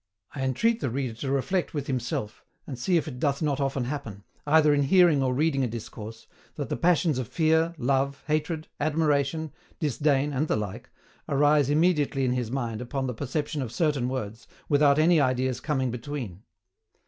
I entreat the reader to reflect with himself, and see if it doth not often happen, either in hearing or reading a discourse, that the passions of fear, love, hatred, admiration, disdain, and the like, arise immediately in his mind upon the perception of certain words, without any ideas coming between.